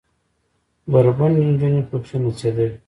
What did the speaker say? بربنډې نجونې پکښې نڅېدلې.